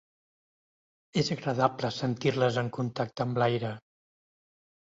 És agradable sentir-les en contacte amb l'aire.